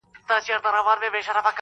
د بوډا وو یو لمسی اته کلن وو!!